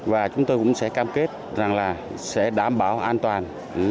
và chúng tôi cũng sẽ cam kết rằng là sẽ đảm bảo an toàn